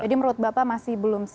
jadi menurut bapak masih belum siap